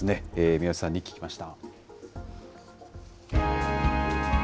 宮内さんに聞きました。